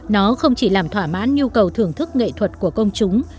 nó không chỉ làm thỏa mãn nhu cầu thưởng thức nghệ thuật của công chúng